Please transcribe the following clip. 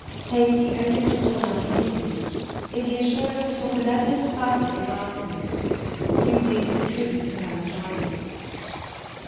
Take the only reward I can give you in the assurance that your benevolent purpose was answered; you did contribute to her enjoyment.